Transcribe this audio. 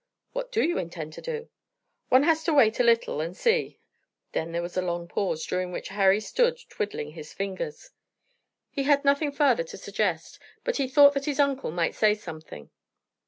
"What do you intend to do?" "One has to wait a little and see." Then there was a long pause, during which Harry stood twiddling his fingers. He had nothing farther to suggest, but he thought that his uncle might say something.